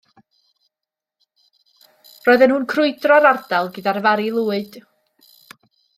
Roedden nhw'n crwydro'r ardal gyda'r Fari Lwyd.